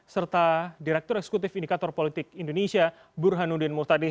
serta direktur eksekutif indikator politik indonesia burhanudin murtadih